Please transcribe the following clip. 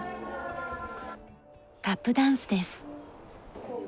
タップダンスです。